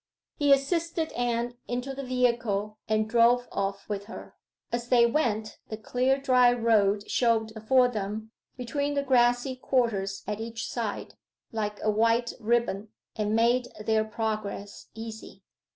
He assisted Anne into the vehicle, and drove off with her. As they went, the clear, dry road showed before them, between the grassy quarters at each side, like a white riband, and made their progress easy.